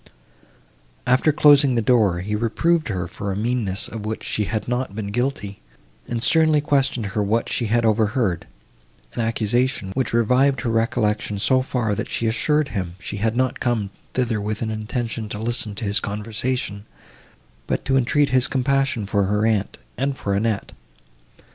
After closing the door he reproved her for a meanness, of which she had not been guilty, and sternly questioned her what she had overheard; an accusation, which revived her recollection so far, that she assured him she had not come thither with an intention to listen to his conversation, but to entreat his compassion for her aunt, and for Annette.